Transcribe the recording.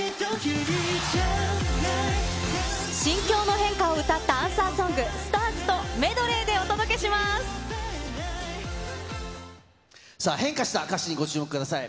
心境の変化を歌ったアンサーソング、ＳＴＡＲＳとメドレーでお届さあ、変化した歌詞にご注目ください。